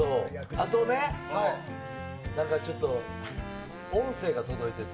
あとね、なんかちょっと音声が届いてて。